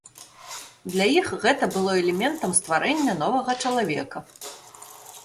Для іх гэта было элементам стварэння новага чалавека.